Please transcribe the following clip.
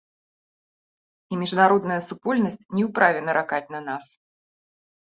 І міжнародная супольнасць не ў праве наракаць на нас.